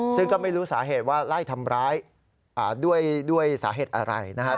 ซึ่งก็ไม่รู้สาเหตุว่าไล่ทำร้ายด้วยสาเหตุอะไรนะครับ